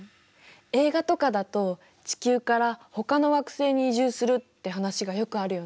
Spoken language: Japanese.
映画とかだと地球からほかの惑星に移住するって話がよくあるよね。